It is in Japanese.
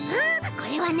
これはね。